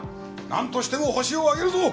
なんとしてもホシを挙げるぞ！